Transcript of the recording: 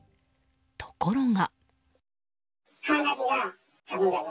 ところが。